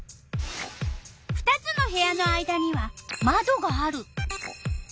２つの部屋の間にはまどがある。